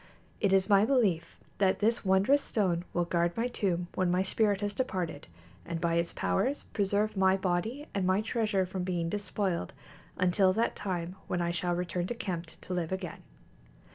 It is my belief that this wondrous stone will guard my tomb when my spirit has departed, and by its powers preserve my body and my treasure from being despoiled, until that time when I shall return to Qemt[B] to live again.